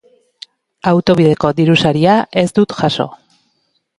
Autobideko dirusaria ez dut jaso.